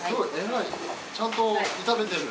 ちゃんと炒めてる。